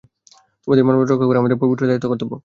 তোমাদের মান-মর্যাদা রক্ষা করা আমার পবিত্র দায়িত্ব ও কর্তব্য।